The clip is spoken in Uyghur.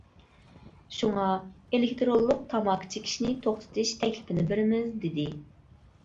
شۇڭا، ئېلېكتىرونلۇق تاماكا چېكىشنى توختىتىش تەكلىپىنى بېرىمىز، دېدى.